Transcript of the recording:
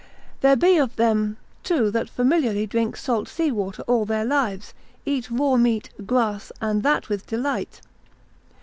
There be of them too that familiarly drink salt seawater all their lives, eat raw meat, grass, and that with delight.